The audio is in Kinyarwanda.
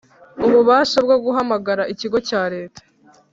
ububasha bwo guhamagara ikigo cya Leta